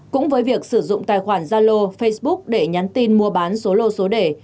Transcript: cũng với việc sử dụng tài khoản zalo facebook để nhắn tin mua bán số lô số đề